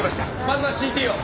まずはＣＴを！